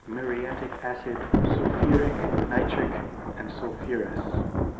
muriatic acid, sulphuric, nitric, and sulphurous.